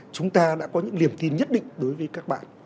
chúng ta đã có những niềm tin nhất định đối với các bạn